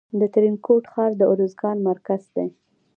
د ترینکوټ ښار د ارزګان مرکز دی